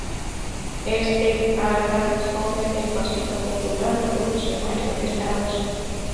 Es el ala joven del Partido Popular Revolucionario de Laos.